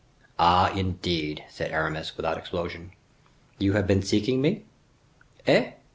"Ah! indeed," said Aramis, without explosion, "you have been seeking me?" "Eh!